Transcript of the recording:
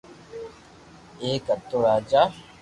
ايڪ ھتو راجا